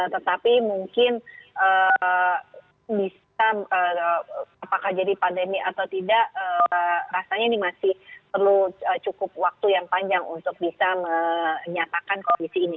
tetapi mungkin bisa apakah jadi pandemi atau tidak rasanya ini masih perlu cukup waktu yang panjang untuk bisa menyatakan kondisi ini